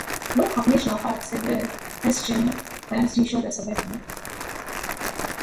Local national parks serve as "gene banks" to ensure their survival.